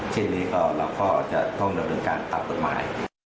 ที่นี้ก็เราก็จะต้องดำเนินการตัดปฏิบัติ